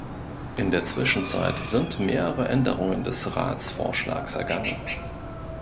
In der Zwischenzeit sind mehrere Änderungen des Ratsvorschlags ergangen.